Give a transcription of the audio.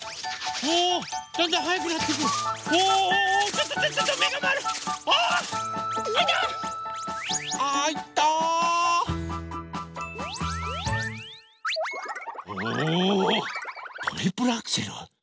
おおトリプルアクセル？